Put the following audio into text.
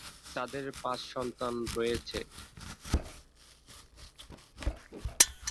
তাদের পাঁচ সন্তান রয়েছে।